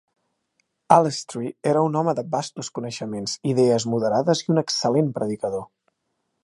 Allestree era un home de vastos coneixements, idees moderades i un excel·lent predicador.